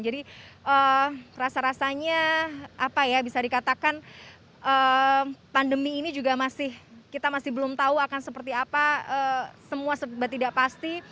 jadi rasa rasanya apa ya bisa dikatakan pandemi ini juga masih kita masih belum tahu akan seperti apa semua sebegitu tidak pasti